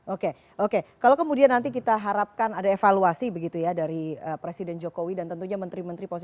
oke oke kalau kemudian nanti kita harapkan ada evaluasi begitu ya dari presiden jokowi dan tentunya menteri menteri